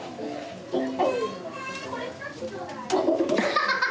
ハハハハッ！